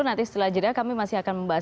nanti setelah jeda kami masih akan membahas